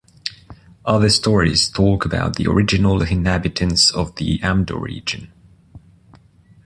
Other stories talk about the original inhabitants of the Amdo region.